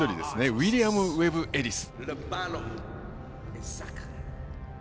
ウィリアム・ウェブエリス。